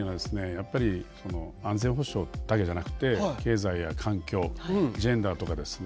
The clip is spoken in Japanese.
やっぱり安全保障だけじゃなくて経済や環境ジェンダーとかですね